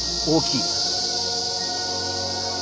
大きい。